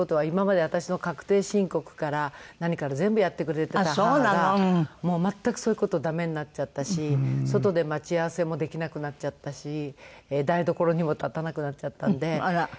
今まで私の確定申告から何から全部やってくれてた母が全くそういう事駄目になっちゃったし外で待ち合わせもできなくなっちゃったし台所にも立たなくなっちゃったんで。